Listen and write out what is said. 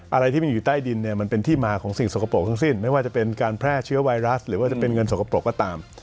อะไรที่มันอยู่ใต้ดินเนี่ยมันเป็นที่มาของสิ่งสกปรกทั้งสิ้นไม่ว่าจะเป็นการแพร่เชื้อไวรัสหรือว่าจะเป็นเงินสกปรกก็ตาม